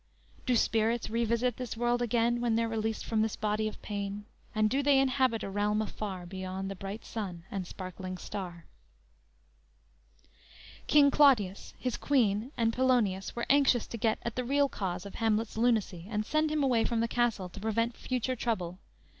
_Do spirits revisit this world again When they're released from this body of pain, And do they inhabit a realm afar Beyond the bright sun and sparkling star?_ King Claudius, his queen and Polonius were anxious to get at the real cause of Hamlet's lunacy, and send him away from the castle to prevent future trouble.